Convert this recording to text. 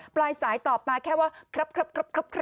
ปลายสายตอบมาแค่ว่าครับ